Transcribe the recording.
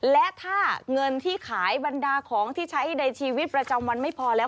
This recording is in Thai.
และถ้าเงินที่ขายบรรดาของที่ใช้ในชีวิตประจำวันไม่พอแล้ว